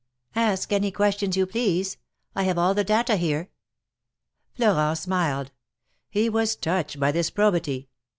Ask any questions you please. I have all the data here." Florent smiled. He was touched by this probity.